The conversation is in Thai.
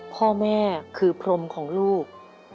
พ่อแม่คือพรมของลูก